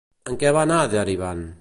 En què va anar derivant?